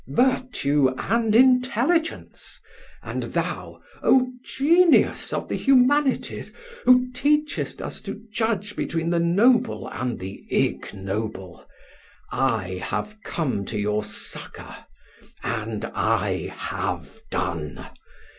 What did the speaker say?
virtue and intelligence! and thou, O genius of the humanities, who teachest us to judge between the noble and the ignoble, I have come to your succor and I have done.